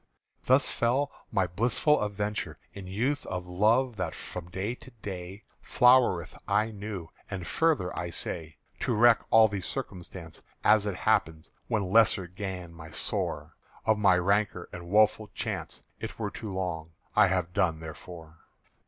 Thus fell my blissful aventure In youth of love that from day to day Flowereth aye new, and further, I say._ "_To reck all the circumstance As it happed when lessen gan my sore, Of my rancor and woeful chance, It were too long I have done therefor.